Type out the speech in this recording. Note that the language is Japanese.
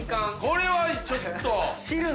これはちょっと。